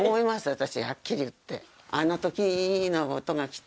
私はっきり言って。